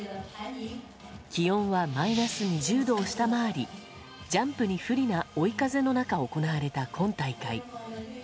気温はマイナス２０度を下回りジャンプに不利な追い風の中行われた今大会。